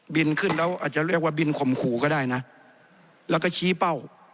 บินขึ้นแล้วอาจจะเรียกว่าบินข่มขู่ก็ได้นะแล้วก็ชี้เป้า